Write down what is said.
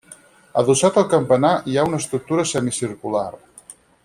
Adossat al campanar hi ha una estructura semicircular.